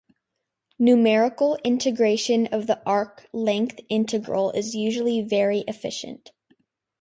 Numerical integration of the arc length integral is usually very efficient.